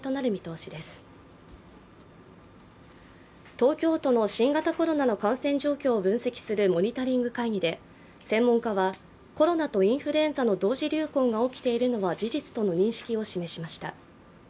東京都の新型コロナの感染状況を分析するモニタリング会議で専門家はコロナとインフルエンザの同時流行が起きているのは事実との認識を示しました。